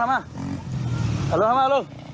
เอารถมา